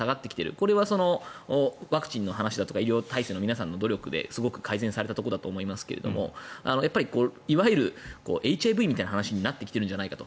これはワクチンの話とか医療体制の皆さんの努力ですごく改善されたところだと思いますがいわゆるＨＩＶみたいな話になってきているんじゃないかと。